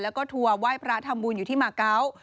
แล้วก็ทัวร์ไหว้พระทำบุญอยู่ที่มาเกาะ